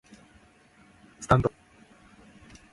スタンド